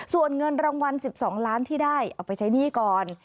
ส่วนเงินรางวัล๑๒ล้านที่ได้เอาไปใช้หนี้ก่อน